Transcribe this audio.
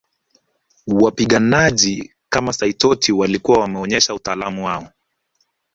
Wapiganaji kama Saitoti walikuwa wameonyesha utaalam wao